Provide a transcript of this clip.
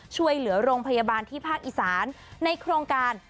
ช่วยเหลือโรงพยาบาลที่ภาคอีสานในโครงการ